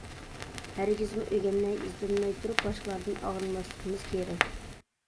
ھەرگىزمۇ ئۆگەنمەي، ئىزدەنمەي تۇرۇپ باشقىلاردىن ئاغرىنماسلىقىمىز كېرەك.